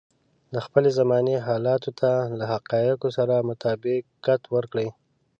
د خپلې زمانې حالاتو ته له حقايقو سره مطابقت ورکړي.